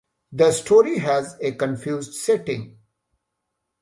The story has a confused setting.